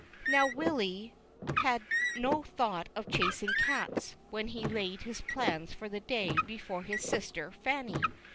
Now Willy had no thought of chasing cats wdien he laid his plans for the day before his sister Fanny.